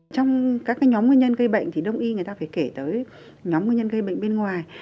trong các nhóm gây bệnh tương y người ta phải kể tới nhóm gây bệnh bên ngoài